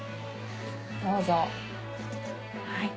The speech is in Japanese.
どうぞ。